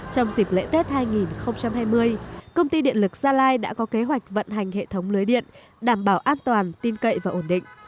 trong dịp lễ tết hai nghìn hai mươi công ty điện lực gia lai đã có kế hoạch vận hành hệ thống lưới điện đảm bảo an toàn tin cậy và ổn định